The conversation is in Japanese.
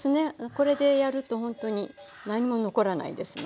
これでやるとほんとに何も残らないですので。